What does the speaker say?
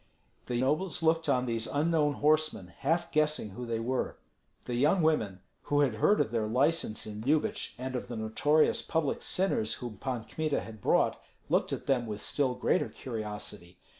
The nobles looked on these unknown horsemen, half guessing who they were. The young women, who had heard of their license in Lyubich and of the notorious public sinners whom Pan Kmita had brought, looked at them with still greater curiosity.